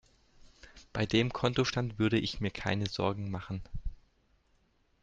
Bei dem Kontostand würde ich mir keine Sorgen machen.